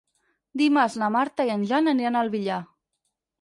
Dimarts na Marta i en Jan aniran al Villar.